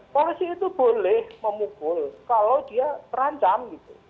polisi itu boleh memukul kalau dia terancam gitu